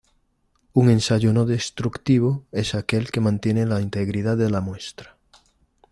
Un ensayo no destructivo es aquel que mantiene la integridad de la muestra.